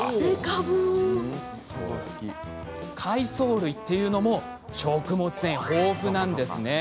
海藻類っていうのも食物繊維豊富なんですね。